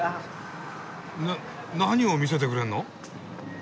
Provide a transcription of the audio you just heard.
なっ何を見せてくれんの？